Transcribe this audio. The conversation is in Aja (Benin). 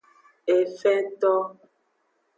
Efento.